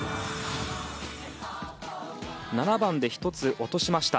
７番で１つ落としました。